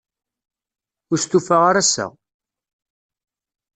Ur stufaɣ ara ass-a.